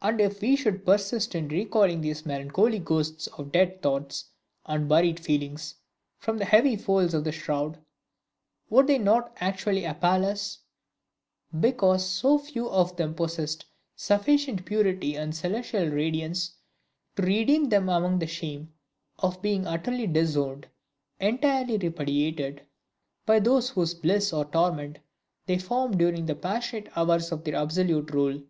And if we should persist in recalling these melancholy ghosts of dead thoughts and buried feelings from the heavy folds of the shroud, would they not actually appal us, because so few of them possessed sufficient purity and celestial radiance to redeem them from the shame of being utterly disowned, entirely repudiated, by those whose bliss or torment they formed during the passionate hours of their absolute rule?